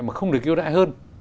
mà không được yêu đại hơn